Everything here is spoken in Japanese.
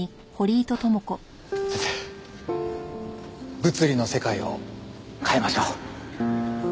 物理の世界を変えましょう。